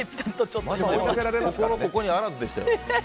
心ここにあらずでしたよ。